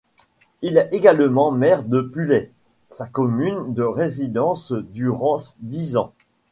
Il est également maire de Pullay, sa commune de résidence, durant dix ans.